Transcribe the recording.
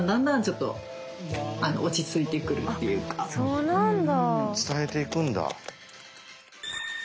そうなんだ。